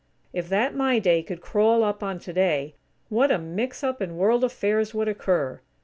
If that "My Day" could crawl up on "Today," what a mix up in World affairs would occur!